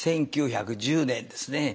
１９１０年ですね。